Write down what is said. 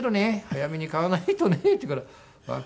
「早めに買わないとね」って言うから。